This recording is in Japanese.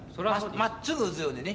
真っつぐ打つようにね。